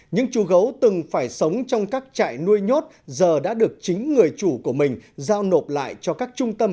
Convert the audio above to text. những chú gấu từng phải sống trong các trại nuôi nhốt giờ đã được chính người chủ của mình giao nộp lại cho các trung tâm